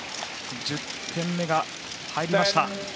１０点目が入りました。